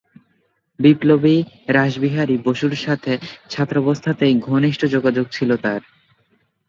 বিপ্লবী রাসবিহারী বসুর সাথে ছাত্রাবস্থাতেই ঘনিষ্ঠ যোগাযোগ ছিল তার।